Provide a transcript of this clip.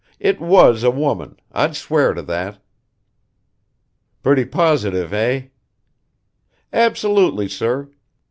It was a woman I'd swear to that." "Pretty positive, eh?" "Absolutely, sir.